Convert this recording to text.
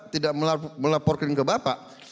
tidak melaporkan ke bapak